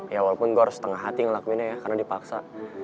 ya walaupun gue harus setengah hati ngelakuinnya ya karena dipaksa